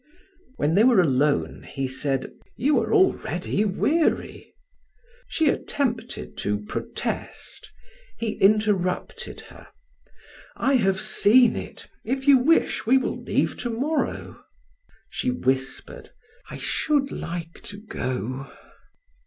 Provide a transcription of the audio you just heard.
When they were alone, he said: "You are already weary." She attempted to protest; he interrupted her: "I have seen it. If you wish we will leave tomorrow." She whispered: "I should like to go."